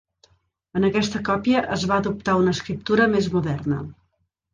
En aquesta còpia es va adoptar una escriptura més moderna.